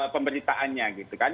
pemberitaannya gitu kan